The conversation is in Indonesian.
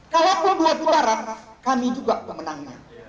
kalaupun dia putaran kami juga pemenangnya